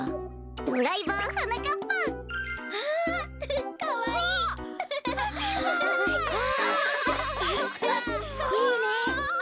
ドライバーはなかっぱん！わあ！かわいい！いいね！